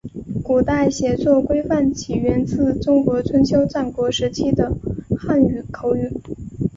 古代写作规范起源自中国春秋战国时期的汉语口语。